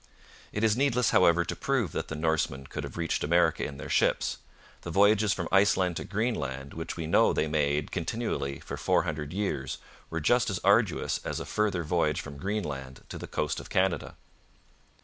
It is needless, however, to prove that the Norsemen could have reached America in their ships. The voyages from Iceland to Greenland which we know they made continually for four hundred years were just as arduous as a further voyage from Greenland to the coast of Canada.